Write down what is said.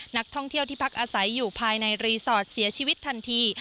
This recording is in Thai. นักท่องเที่ยวที่พักอาศัยอยู่ภายในรีสอร์ทเสียชีวิตทันที